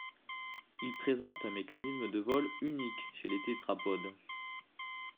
Il présente un mécanisme de vol unique chez les tétrapodes.